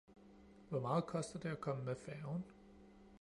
Hvor meget koster det at komme med færgen?